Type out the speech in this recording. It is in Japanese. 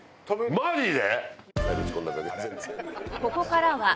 マジで！？